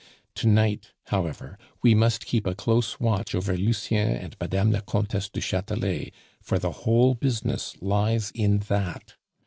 To night, however, we must keep a close watch over Lucien and Mme. la Comtesse du Chatelet, for the whole business lies in that.